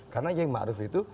karena yai maruf itu